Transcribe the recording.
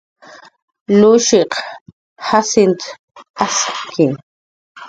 Lushiq Jacint arki